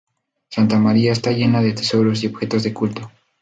Santa María está llena de tesoros y objetos de culto.